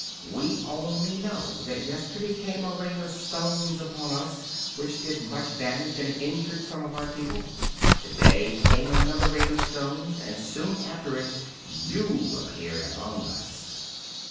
"We only know that yesterday came a Rain of Stones upon us, which did much damage and injured some of our people. Today came another Rain of Stones, and soon after it you appeared among us."